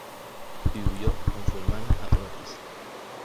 Y huyó con su hermana a toda prisa.